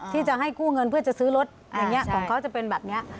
ที่จะให้กู้เงินเพื่อจะซื้อรถอย่างนี้ของเขาจะเป็นแบบนี้